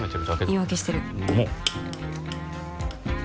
言い訳してる